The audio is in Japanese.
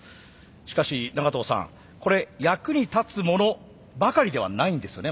しかし長藤さんこれ役に立つものばかりではないんですよね